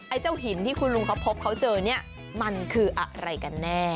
เจ้าหินที่คุณลุงเขาพบเขาเจอเนี่ยมันคืออะไรกันแน่